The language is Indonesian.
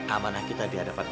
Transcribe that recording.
amanah kita di hadapan